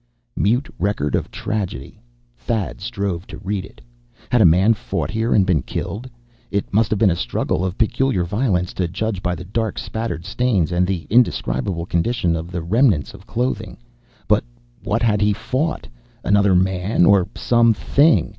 Mute record of tragedy! Thad strove to read it. Had a man fought here and been killed? It must have been a struggle of peculiar violence, to judge by the dark spattered stains, and the indescribable condition of the remnants of clothing. But what had he fought? Another man, or some thing?